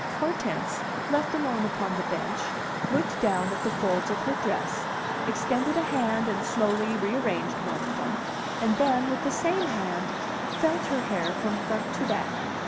Hortense, left alone upon the bench, looked down at the folds of her dress, extended a hand and slowly rearranged one of them, and then, with the same hand, felt her hair from front to back.